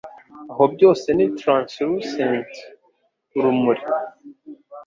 Aho byose ni translucence (urumuri!)